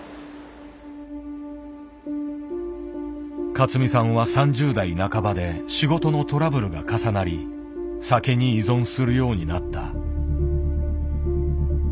勝美さんは３０代半ばで仕事のトラブルが重なり酒に依存するようになった。